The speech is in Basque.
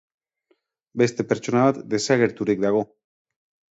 Beste pertsona bat desagerturik dago.